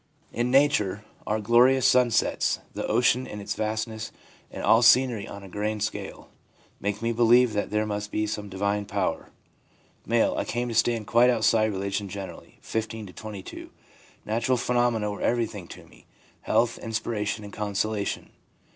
In nature, our glorious sunsets, the ocean in its vastness, and all scenery on a grand scale, make me believe there must be some divine power/ M. * I came to stand quite outside religion generally (15 to 22). Natural phenomena were everything to me — health, inspiration and consolation/ M.